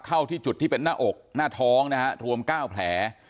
เข้าที่จุดที่เป็นหน้าอกหน้าท้องนะฮะรวม๙แผล